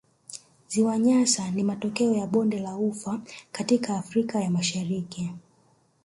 Ziwa Nyasa ni matokeo ya bonde la ufa katika Afrika ya Mashariki